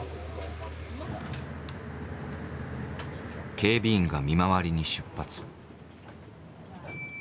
警備員が見回りに出発。